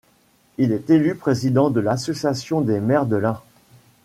Il est élu Président de l'Association des maires de l'Ain.